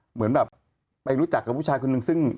เหมือนแบบไปรู้จักกับผู้ชายคนนึงซึ่ง